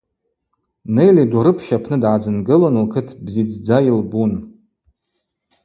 Нелли Дурыпщ апны дгӏадзынгылын лкыт бзидздза йылбун.